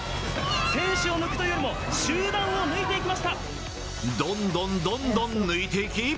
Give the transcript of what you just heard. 選手を抜くというよりも、集団をどんどんどんどん抜いていき。